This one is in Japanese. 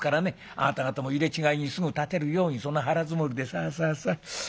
あなた方も入れ違いにすぐ立てるようにその腹積もりでさあさあさあ。